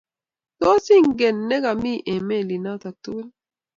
tos ingen ne kami eng' melit noton tugul?